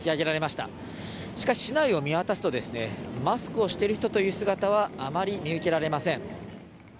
しかし、市内を見渡すと、マスクをしている人という姿はあまり見受けられません。